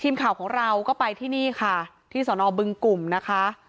ทีมข่าวของเราก็ไปที่นี่ค่ะที่สอนอบึงกลุ่มนะคะ